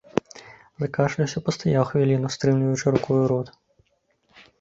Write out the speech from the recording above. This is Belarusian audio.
Закашляўся, пастаяў хвіліну, стрымліваючы рукою рот.